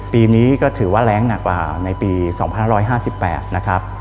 ปีนี้ก็ถือว่าแรงหนักกว่าในปี๒๕๕๘นะครับ